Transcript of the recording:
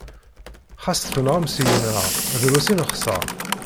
Xas tenɣam seg-neɣ, drus i nexseṛ.